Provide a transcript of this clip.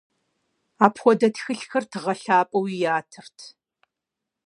Апхуэдэ тхылъхэр тыгъэ лъапӏэуи ятырт.